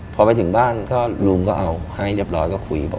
พอไปถึงบ้านชุดให้ได้แล้วเรียบร้อยก็คุย